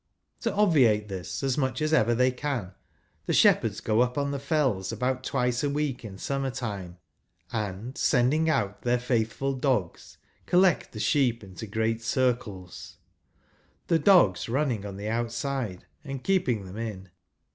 To obviate this as much as ever they can, the shepherds go up on the Fells about twice a week in summer time, and, sending out their faitliful dogs, 1 collect the sheep into great circles, the dogs j running on the outside and keeping them in.